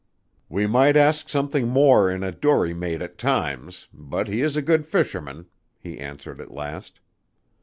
"We might ask something more in a dory mate at times, but he is a good fisherman," he answered at last.